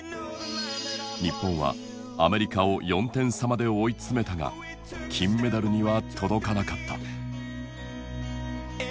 日本はアメリカを４点差まで追い詰めたが金メダルには届かなかった。